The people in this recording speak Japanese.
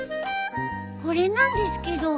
これなんですけど。